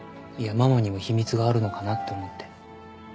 ママにも秘密があるのかなって思って。